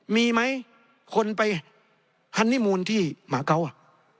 มีไหมคนไปฮันนี่มูนที่หมาเกาะ